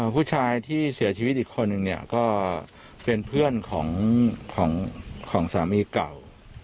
ผู้ชายที่เสียชีวิตอีกคนนึงเนี่ยก็เป็นเพื่อนของสามีเก่า